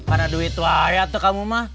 ada duit banyak tuh kamu mah